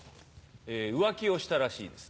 浮気をしたらしいです。